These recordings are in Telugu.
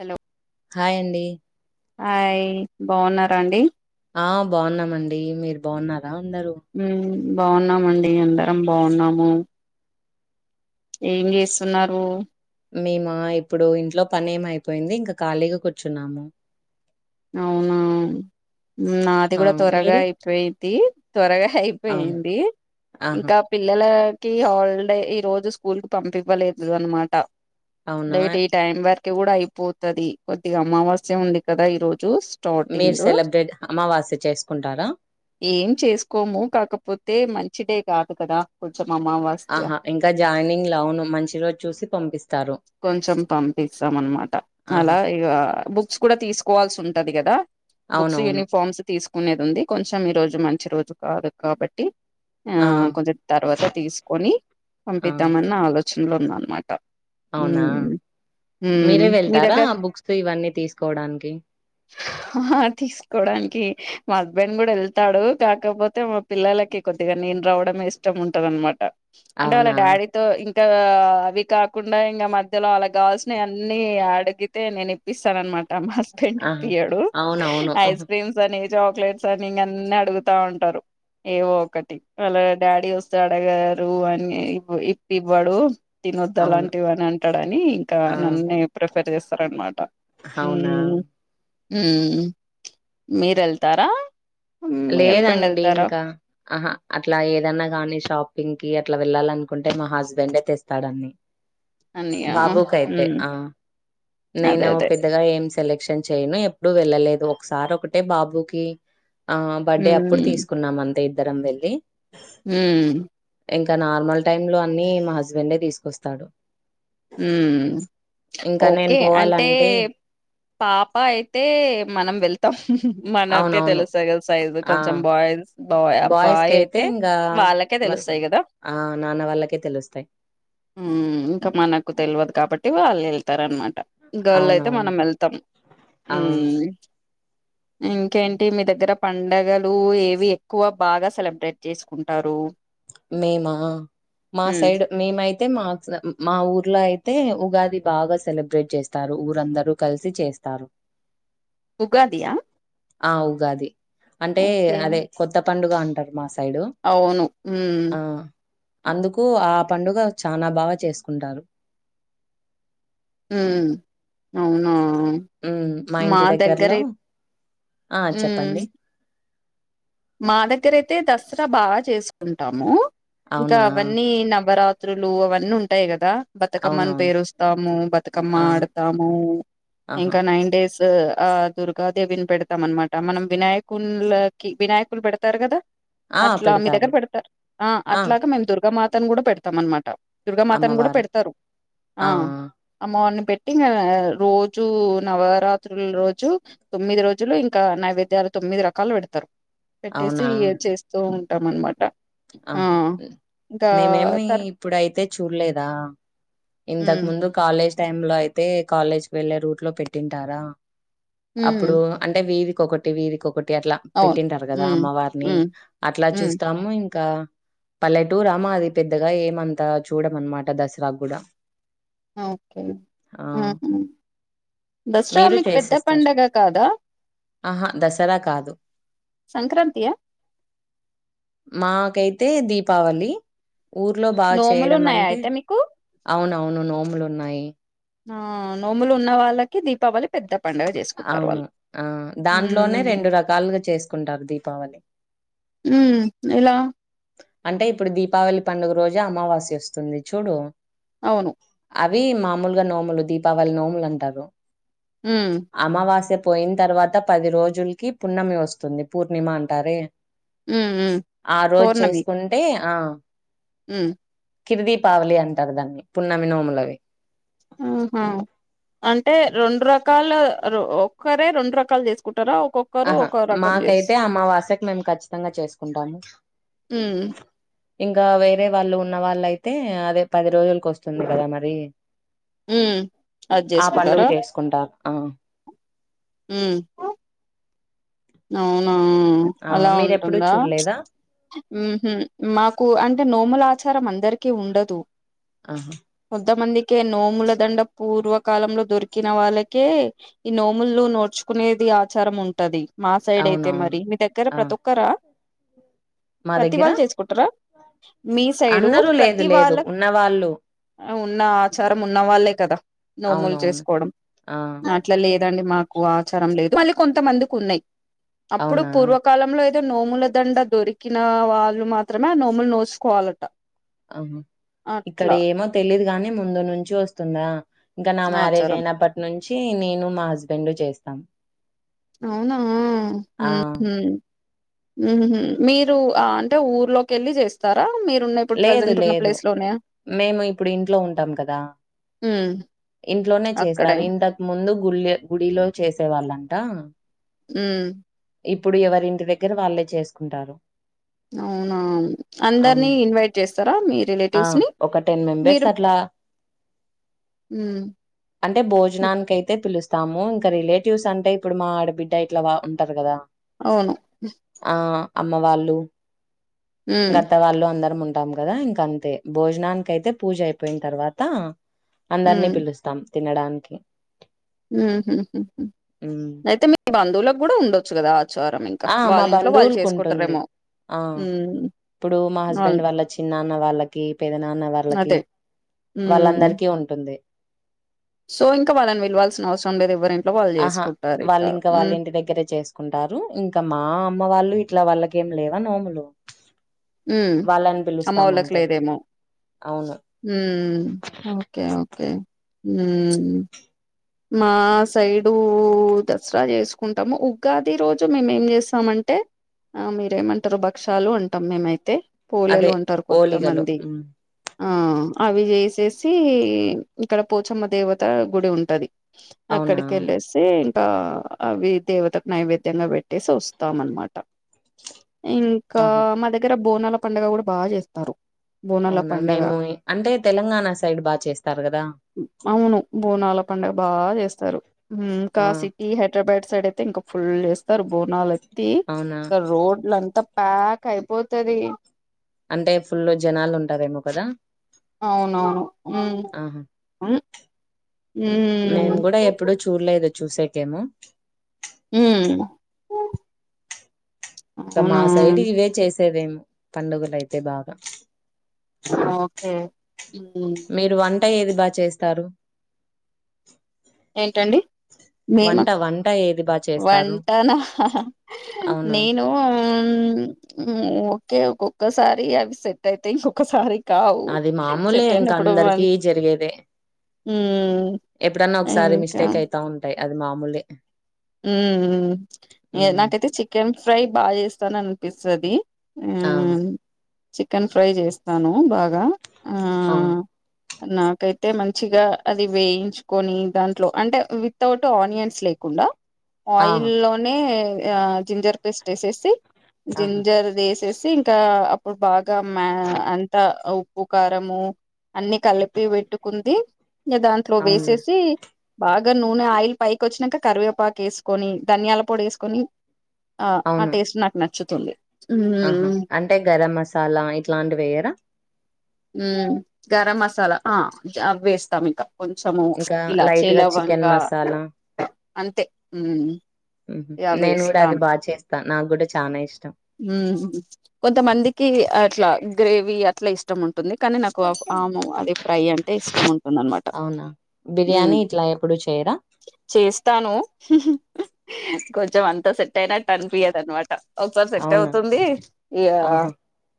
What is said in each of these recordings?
హలో హాయ్ అండి హాయ్ బాగున్నారండి ఆ బాగున్నామండి మీరు బాగున్నారా అందరు ఉమ్ బాగున్నామండి అందరం బాగున్నాము ఏం చేస్తున్నారు మేమ ఇప్పుడు ఇంట్లో పని ఏమయిపోయింది ఇంకా ఖాళీగా కూర్చున్నాము అవునా నాది ఆ! కూడా త్వరగా మీరు? అయిపోయిది త్వరగా అవును. అయిపోయింది ఆహా! ఇంకా పిల్లలా కి హాలిడే ఈ రోజు స్కూల్ కి పంపివ్వలేదు అనమాట అవునా! లేట్ ఈ టైం వర్ కూడా అయిపోతది కొద్దిగా అమావాస్య ఉంది కదా ఈ రోజు స్టార్టింగ్ మీరు లో సెలబ్రేట్ అమావాస్య చేసుకుంటారా? ఏం చేసుకోము కాక పోతే మంచిదే కాదు కదా కొంచ్ ఆహా ఇంకా జాయినింగ్ లౌను మంచి రోజు చూసి పంపిస్తారు కొంచెం పంపిస్తాం అనమాట ఆహా! అలా ఇగ బుక్స్ కూడా తీసుకోవాల్సి ఉ టది కదా బుక్స్ అవునవును. యూనిఫామ్స్ తీసు కునేది ఉంది కొంచెం ఈరోజు మంచి రోజు కాదు కాబట్టి ఆ కొంచెం తర్వాత తీసుకొని ఆ! పంపిద్దామన్న ఆలోచనలో ఉన్నా అన్నమా ఉ అవునా! మీరే వెళ్తారా బుక్స్ ఇవన్నీ తీసుకోవడానికి ఆ తీసుకోవడానికి మా హస్బెండ్ కూడా వెళ్తాడు కాకపోతే మా పిల్లలకి కొద్దిగా నేను రావడమే ఇష్టం ఉంటది అన్నమాట అంటే వాళ్ళ అవునా! డాడీతో ఇం కా అవి కాకుండా ఇంకా మధ్యలో అలా కావాల్సినవి అన్ని అడిగితే నేను ఇప్పిస్తాను అనమా ట మ హస్బెండ్ ఆహా! ఇప్పియడు అవునవును. ఐస్ ఆహా! క్రీమ్స్ అనే చాక్లెట్స్ అని ఇంగ అన్ని అడుగుతా ఉంటారు ఏవో ఒకటి అలా డాడీ వస్తే అడగరు అని ఇప్పివ్వడు తినొద్దు అవును. అలాంటివి అని అంటాడని ఇంకా ఆ! నన్నే ప్రిఫెర్ చేస్తారనమాట అవునా ఉ మీరెళ్తారా లేదండి ఇంకా ఆహా అట్లా ఏదన్నా కానీ షాపింగ్కి అట్ ఇట్లా వెళ్ళాలనుకుంటే మా హస్బెండే తెస్తాడన్ని అన్నయ్య బాబు కైతే మ్మ్ ఆ అదే నేను అదే పెద్దగా ఏం సెల క్షన్ చెయ్యను ఎప్పుడు వెళ్ళలేదు ఒకసారి ఒకటే బాబుకి ఆ బర్డే అప్పుడు మ్మ్ తీసుకున్నాం అంతే ఇద్దరం వెళ్ళి ఉ ఇంకా నార్మల్ టైమ్ లో అన్ని మా హస్బెండే తీసుకొస్తాడు ఉ ఇంకా నేను ఓకే అంటే పోవాలంటే పాప అయితే మనం వెళ్ ఉహు మనకే అవునవును. తెలుస్తాయి కదా సైజు ఆ కొంచెం బాయ్స్ బాయ్ ఆ బాయ్ బాయ్స్‌కైతే అయితే ఇంగా వాళ్ళ కే వాళ్ తెలుస్తాయి కదా ఆ నాన్న వాళ్ళకే తెలుస్తయి హు ఇంక మనకు తెలివదు కాబట్టి వాళ్ళు వెళ్తారు అనమా గర్ల్ అయితే అవునవును. మనం వెళ్తాం ఆ! మ్మ్ ఇంకేంటి మీ దగ్గర పండగలు ఏవి ఎక్కువ బాగా సెలబ్రేట్ చేసుకుంటారు మేమా మా హ్మ్. సైడ్ మేమయి తే మా మా ఊర్లో అయితే ఉగాది బాగా సెలబ్రేట్ చేస్తారు ఊరందరూ కలిసి చేస్. స్తారు ఉగాది య ఆ ఊగాది అంటే అదే కొత్త పండుగ అంటరు మాస్ సైడు అవును. హ్మ్. ఆ అందుకు ఆ పండుగ చానా బాగా చేసుకుంటారు ఉమ్ అవునా ఉమ్ మా ఇంటి దగ్గరలో దగ్గరే ఆ చెప్పండి మ్మ్ మా దగ్గర అయితే దసరా బా చేసుకుంటాము ఇంక అవునా అవన్నీ నవరా. త్రులు అవన్నీ ఉంటాయి కదా బతుకమ్మని అవునవును పేరుస్తాము, బతుకమ్మ ఆ ఆడతాము ఆహా ఇంక నైన్ డేస్. ఆ దుర్గాదేవిని పెడతాం అనమాట మనం వినాయకున్ లకి వినాయి పెడతారు కదా, ఆ అట్లా మీ పెడతారు దగ్గర పెడతార ఆ అట్లాగా మేము దుర్గ మా. తను కూడ పెడతాం అనమాట, దుర్గా మాతను కూడా అమ్మవారు పెడతారు ఆ అమ్మవారిని. పెట్టి ఇంగ రోజు నవరాత్రుల రోజు, తొమ్మిది రోజులు ఇంకా నైవేద్యా. తొమ్మిది రకాలు పెడతరు పెట్టేసి అవునా ఇగ చేస్తూ ఉంటాం అనమాట. హా ఆ! ఇంకా మేమేమి తర్ ఇప్పుడయితే చూడలేదా ఇంతక్ హ్మ్ ముందు కాలేజ్ టైం లో అయితే కాలేజ్ వెళ్ళే రూట్ లో పెట్టింటారా హ్మ్ అప్పుడు అంటే వీధి. కొకటి వీథికొకటి అట్లా అవును పెట్టింటారు కదా, హ్మ్ అమ్మవారిని హ్మ్ అట్లా హ్మ్ చూస్తాము ఇం. ఇంకా పల్లెటూరా మాది పెద్దగా ఏమంతా చూడము అనమాట దసరా కూడా. ఓకే ఆ హా దసరా మీరు మీకు పెద్ద పండగ కాదా? ఆహా దసరా కాదు సంక్రాంతి యా మాకైతే దీపావళి ఊర్లో బా నోములు చేయడం ఉన్నాయా అంటే అయితే మీకు అవునవును నోములున్నాయి ఆ నోములు ఉన్న వాళ్ళకి దీపావళి పెద్ద పండగ చేసుకుంటారు అవును వాళ్ళు ఆ దాంట్లోనే హ్మ్ రెండు రకాలుగా చేసుకుంటారు దీపావళి హు ఎలా అంటే ఇప్పుడు దీపావళి పండుగ రోజే అమావాస్య వస్తుంది చూడు. అవును అవి మామూలుగా నోములు, దీపావళి నోములు అంటారు హ్మ్ అమావాస్య. పోయిన తర్వాత పది రోజులకి పున్నమి వస్తుంది, పూర్ణిమ అంటారే. హు హ్మ్ ఆ రోజు పౌర్ణమి చేసుకుంటే ఆ హ్మ్ కిర్ దీపావళి అంటారు దాన్ని పున్నమి నోములనీ. ఆహా అంటే రెండు రకాలు ఒక్కరే రెండు రకాలు చేసుకున్. ఆహా మాకైతే అమావాస్యకు మేము ఖచ్చితంగా చేసుకుంటాము ఉ ఇంకా వేరే వాళ్ళు ఉన్న వాళ్ళు అయితే అదే పది రోజులకి వస్తుంది కదా మరి హ్మ్ అది ఆ పండుగ చేసుకుంటారా చేసుకుంటారు ఆ ఉ అవును హ ఆ! అలా మీరెప్పుడూ ఉంటుందా చూడలేదా? ఊ హు మాకు అంటే నోములా ఆచారం అందరికీ ఉండదు ఆహా కొంతమందికే నోముల దండ పూర్వకాలంలో దొరికిన వాళ్ళకే ఈ నోములు నోచుకునే ఆచారం ఉంటది మా సైడ్ అయితే అవునవును. మరి మీ దగ్గర ఆ! ప్రతి ఒక్కరా మా ప్రతి దగ్గర వాళ్ళు చేసుకుంటార మీ సైడు అందరూ లేదు ప్రతి లేదు వాళ్ళ ఉన్నవాళ్ళు ఉన్న ఆచారం ఉన్న వాళ్ళే కదా నోములు అవునవును. చేసుకోవడం ఆ అట్లా లేదండి మాకు ఆచారం లేదు మళ్ళీ కొంత మందికి ఉన్నాయి అప్పుడు అవునా పూర్వకాలంలో అయితే నోముల దండ దొరికింది ఉన్న వాళ్ళు మాత్రమే ఆ నోములు నోచుకోవాలట ఆ ఇక్కడ ఏమో తెలీదుగాని ముందు నుంచి వస్తుందా ఇంకా నా మ్యారేజ్ ఆచారం అయినప్పటి నుంచి నేను మా హస్బెండ్ చేస్తాం అవునా ఊ ఆ హు ఉ మీరు అంటే ఊర్లోకి వెళ్ళి చేస్తారా మీరున్న ఇప్పుడు లేదు ప్రజెంట్ ఉన్న లేదు ప్లేస్ లోనే మేము ఇప్పుడు ఇంట్లో ఉంటాం కదా ఉమ్ ఇంట్లోనే అక్కడే చేస్తారు ఇంతకు ముందు గుళ గుడిలో చేసే వాళ్ళంట ఉ ఇప్పుడు ఎవరి ఇంటి దగ్గర వాళ్ళే చేసుకుంటారు అవునా అందరినీ అవును. ఇన్వైట్ చేస్తారా మీ ఆ రిలేటివ్స్ ని ఒక టెన్ మెంబెర్స్ మీరు అట్లా ఉమ్ అంటే భోజనానికి అయితే పిలుస్తాము ఇంకా రిలేటివ్స్ అంటే ఇప్పుడు మా ఆడ బిడ్డ ఇట్లా ఉంటారు కదా అవును ఆ అమ్మ వాళ్ళు ఉమ్ అత్త వాళ్ళు అందరు ఉంటాం కదా ఇంక అంతే భోజనానికి అయితే పూజ అయిపోయిన తర్వాత అందరినీ పిలుస్తాం తినడానికి ఉ హు హ్మ్. అయితే మీ బంధువులకు కూడా ఉండొచ్చు కదా ఆచారం ఇంకా ఆ వాళ్ళ మా ఇంట్లో వాళ్ళు బంధువులకు ఉంటుంది చేసుకుంటారేమో ఆ ఉమ్ ఇప్పుడు మా వాళ్ళు హస్బెండ్ వాళ్ళ చిన్న నాన్న వాళ్ళకి పెద్ద నాన్న వాళ్ళకి అదే హ్మ్ వాళ్ళందరికీ ఉంటుంది సో ఇంకా వాళ్ళని పిలవాల్సిన అవసరం లేదు ఎవరైనా ఆహా వాళ్ళు ఇంకా వాళ్ళ ఇంటి దగ్గరే చేసుకుంటారు ఇంకా మా అమ్మ వాళ్ళు ఇట్లా వాళ్ళకి ఇంకేం లేవా నోములు ఉ వాళ్ళని అమ్మ పిలుస్తాం వాళ్ళుకు అంతే లేదేమో అవును ఉ ఓకే ఓకే ఊ మా సైడు దసరా చేసుకుంటాము ఉగాది రోజు మీమేం చేస్తామంటే అంటే ఆ మీరేమంటారు భక్ష్యాలు అంటాం మేమైతే అదే పోలేలు ఉంటారు ఓలిగలు కొత్తమంది హ్మ్. ఆ అవి చేసేసి ఇక్కడ పోచమ్మ దేవత గుడి ఉంటది అవునా ఆక్కడికెళ్ళేసి ఆ అవి దేవతకు నైవేద్యంగా పెట్టేసి వస్తాం అనమాట ఇంకా ఆహా మా దగ్గర బోనాల పండుగ కూడా బా చేస్తారు బోనాల అవునా పండగ మేము అంటే తెలంగాణ సైడ్ బా చేస్తారు కదా అవును బోనాల పండగా బా చేస్తారు ఇంకా ఆ సిటీ హైదరాబాద్ సైడ్ అయితే ఇంకా ఫుల్ చేస్ స్తారు బోనాలు ఎత్తి అవునా ఇంకా రోడ్లంతా ప్యాక్ అయిపోతది అంటే ఫుల్లు జనాలు ఉంటారేమో కదా అవునవును హు నేను కూడా ఎప్పుడూ చూడలేదు చూసేకేమో ఉహ్ క మా సైడ్ ఇవే చేసేదేం పండుగలు అయితే బాగా ఓకే హు మీరు వంట ఏది బా చేస్తారు ఏంటండి మేమ వంట వంట ఏ వంటనా అవును నేను ఓకే ఒక్కొక్కసారి అవి సెట్ అయితాయి ఇంకొకసారి కావు అది మామూలే సెట్ ఇంక అయినప్పుడు మం అందరికి జరిగేదే ఉ ఎప్పుడన్నా ఒకసారి మిస్టేక్ అయితా ఉంటాయి అది మామూలే ఉ ఉ ఉమ్ నాకైతే చికెన్ ఫ్రై బా చేస్తాననిపిస్తది హు ఆ చికెన్ ఫ్రై చేస్తాను బాగా ఆ హా నాకైతే మంచిగా అది వేయించుకొని దాంట్లో అంటే వితౌట్ ఆనియన్స్ లేకుండా ఆ ఆయిల్ లోనే ఆ జింజర్ పేస్ట్ వేసేసి ఆహా జింజర్ది ఏసేసి సి ఇంకా అప్పుడు బాగా మా అంతా ఉప్పు కారము అన్ని కలిపి పెట్టుకుంది ఇంగ దాంట్లో అవునులే వేసేసి బాగా నూనె ఆయిల్ పైకోచ్చినాక కరివేపాక్ వేసుకొని ధనియాల పొడి వేసుకొని ఆ ఆ అవును టేస్ట్ నాకు నచ్చుతుంది ఆహా ఉమ్ అంటే గరం మసాలా ఇట్లాంటివెయ్యిరా ఉ గరం మసాలా ఆ వేస్తాం ఇంకా కొంచము ఇంకా ఇల్లచ్చి లైట్ గా చికెన్ లవంగా మసాలా అంతే ఇగ అవి నేను కూడా అది బా చేస్తా నాకుడా చానా ఇష్టం ఉహ్ కొంతమందికి అట్లా గ్రేవీ అట్లా ఇష్టం ఉం టుంది కానీ నాకు ఆము అది ఫ్రై అంటే ఇష్టం ఉంటుందనమాట అవునా బిర్యానీ ఇట్లా ఎప్పుడు చే చేస్తాను కొంచెం అంతా సెట్ అయినట్టు అనిపియదూ అనమాట ఒక్కోస్ అవునా అవుతుంది ఇగ ఆహా!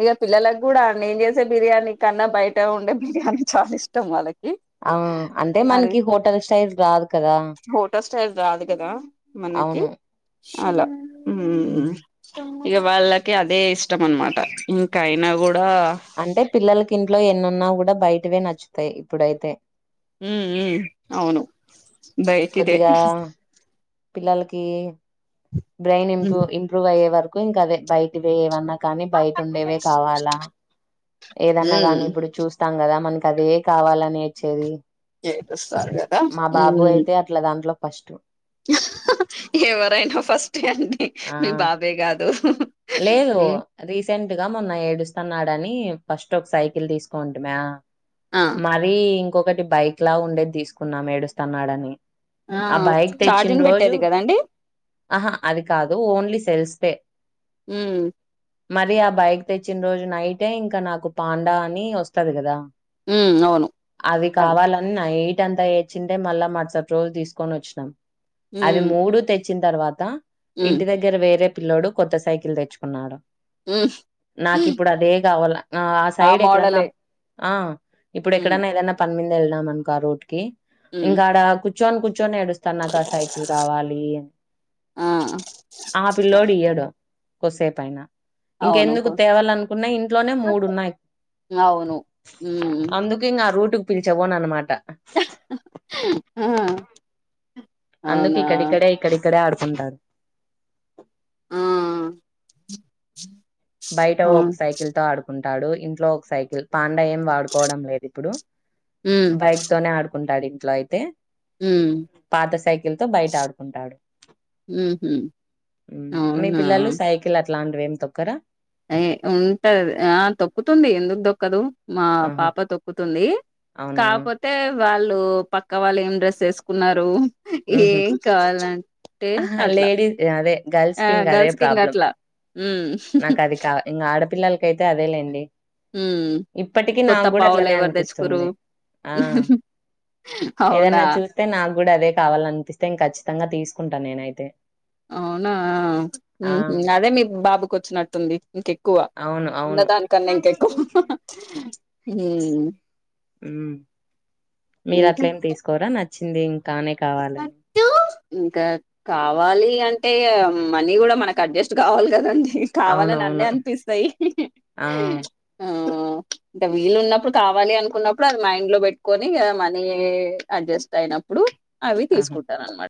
ఇగా పిల్లలకు కూడా నేను చేసే బిర్యానీ కన్నా బయట ఉండే బిర్యానీ చాలా ఇష్టం వాళ్ళకి ఆ అంటే అది మనకి హోటల్ స్టైల్ రాదు కదా! హోటల్ స్టైల్ రాదు కదా మనకి అవును. అలా హు హ్మ్. ఇగా వాళ్ళకి అదే ఇష్టం అనమాట ఇంకా అయినా కూడ్ అంటే పిల్లలకి ఇంట్లో ఎన్నున్నా కూడా బయటవే నచ్చుతాయి ఇప్పుడైతే మ్మ్ హ్మ్ అవును బైటిదే కొద్దిగా పిల్లలకి బ్రెయిన్ ఇంప్రూ ఇంప్రూవ్ అయ్యే వరకు ఇంకా అదే బైటివేయేవన్నా కానీ బయట ఉండేవే కావాలా ఏదైనా గానీ ఉమ్ ఇప్పుడు చూస్తాం కదా మనకి అదే కావాలని ఏడ్చేది ఏడుస్తారు కదా మా బాబు ఉమ్ అయితే అట్లా దాంట్లో ఫస్టు ఎవరైనా ఫస్టే అండి మీ ఆ బాబే కాదు లేదు ఉమ్ రీసెంట్ గా మొన్న ఏడుస్తన్నాడని ఫస్ట్ ఒక సైకిల్ తీసుకోంటిమే ఆ మాది ఇంకొకటి బైక్ లా ఉండేది తీసుకున్నాం ఏడుస్తన్నాడని ఆ బైక్ తెచ్చిన చార్జింగ్ రోజు పెట్టేది కదండి అహా అది కాదు ఓన్లీ సెల్స్ దే ఉమ్ మరి ఆ బైక్ తెచ్చిన రోజు నైటే ఇంకా నాకు పాండా అని వస్తది కదా ఉమ్ అవును అవి అది కావాలని నై టంతా ఏడ్చింటే మళ్ళా మరుసటి రోజు తీసుకొని వచ్చినాం అవి ఉమ్ మూడు తెచ్చిన తర్వాత ఉమ్ ఇంటి దగ్గర వేరే పిల్లోడు కొత్త సైకిల్ తెచ్చుకున్నాడు ఉమ్ నాకు ఇప్పుడు అదే కావాల్ల ఆ ఆ సైడ్ ఎక్కడన్నా ఆ ఇప్పుడు ఉమ్ ఎక్కడన్నా ఏదైనా పనిమీద వెళ్లినాం అనుకో ఆ రూట్ కి ఉమ్ ఇంకా ఆడ కూర్చొని కూ ర్చొని ఏడుస్తాన్నాడు నాకా ఆ సైకిల్ కావాలి అని ఆ ఆ పిల్లోడు ఇయ్యడు కొస్సేపైన అవును ఇంకెందుకు కొ తేవాలనుకున్నా ఇంట్లోనే మూడున్నాయి అవును మ్మ్ హ్మ్ పిలిచవోను అన్నమాట ఆ అందుకు అవునా ఇక్కడిక్కడే ఇక్కడిక్కడే ఆడుకుంటాడు ఆ బయట ఒక అవును సైకిల్ తో ఆడుకుంటాడు ఇంట్లో ఒక సైకిల్ పాండా ఏం వాడుకోవడం లేదు ఇప్పుడు ఉమ్ బైక్ తోనే ఆడుకుంటాడు ఇంట్లో అయితే ఉమ్ పాత సై కిల్ తో బయట ఆడుకుంటాడు ఉహు మ్మ్ మీ అవునా పిల్లలు సైకిల్ అ ట్లాంటివేం తొక్కరా ఏ ఉంటది ఆ తొక్కుతుంది ఎందుకు దొక్కదు మా ఆహా! పాప తొక్కుతుంది అవునా? కాపోతే వాళ్ళు పక్క వాళ్ళు ఏం డ్రెస్స్ వేసుకున్నారు హుహు. ఏం కావాలం టే అహా! అట్లా లేడీ అదే ఆ గర్ల్స్‌కింకదే గర్ల్స్ కి ఇంగ ప్రాబ్లమ్. అట్లా నాకది కా ఇంగ ఆడపిల్లలకి అయితే అదేలేండి ఉమ్ ఇప్పటికీ కొత్త నాక్కూడా పావులు అట్లనే ఎవరు తెచ్చుకురు అనిపిస్తుంది ఆ అవునా ఏదన్నా చూస్తే నాక్కూడా అదే కావాల అనిపిస్తే ఇం ఖచ్చితంగా తీసుకుంటా నేనైతే అవునా ఆ! ఉమ్ హు అదే మీకు బాబు కొచ్చినట్టుంది ఇంకెక్కువ అవును. ఉన్న అవును. దానికన్నా ఇంకెక్కువ ఉ హుమ్ ఉమ్ మీరు అట్ల ఏం తీసుకోరా నచ్చింది ఇంకా కానే కావాలని పట్టు ఇంకా కావాలి అంటే మనీ కూడా మనకు అడ్జస్ట్ కావాలి కదండి కావాలని అన్నీ అవునవును. అనిపిస్తాయి ఆ! ఆ ఇంక వీలు ఉన్నప్పుడు కావాలి అనుకున్నప్పుడు, అది మైండ్ లో పెట్టుకొని ఇగ మనీ అడ్జస్ట్ అయినప్పుడు అవి ఆహా! తీసుకుంటాను అన్నమా